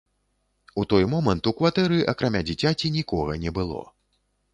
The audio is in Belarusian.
У той момант у кватэры, акрамя дзіцяці, нікога не было.